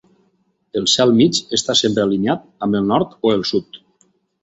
El cel mig està sempre alineat amb el nord o el sud.